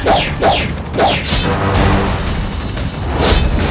asyik beta tinggal